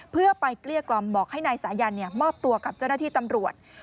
เพื่อไปเกลี้ยกล่อมบอกให้นายสายันมอบตัวกับเจ้าหน้าที่ตำรวจ